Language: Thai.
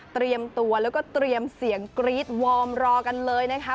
เตรียมตัวแล้วก็เตรียมเสียงกรี๊ดวอร์มรอกันเลยนะคะ